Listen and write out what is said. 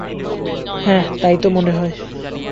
হ্যাঁ, তাই তো মনে হয়।